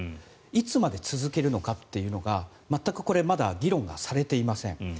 いつまで続けるのかというのが全くまだ議論がされていません。